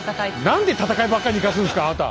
何で戦いばっかり行かすんですかあなた。